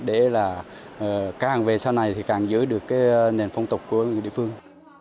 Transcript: để là càng về sau này thì càng giữ được cái nền phong tục của địa phương